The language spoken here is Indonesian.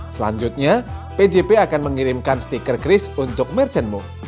selanjutnya pjp akan mengirimkan stiker cris untuk merchantmu